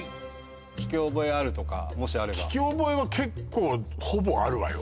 聴き覚えあるとかもしあれば聴き覚えは結構ほぼあるわよ